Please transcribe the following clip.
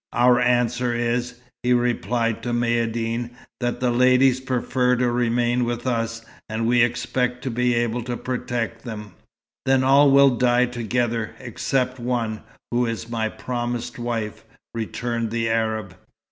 "Our answer is," he replied to Maïeddine, "that the ladies prefer to remain with us, and we expect to be able to protect them." "Then all will die together, except one, who is my promised wife," returned the Arab.